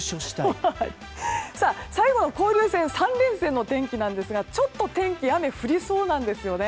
最後の交流戦３連戦の天気なんですがちょっと雨が降りそうなんです。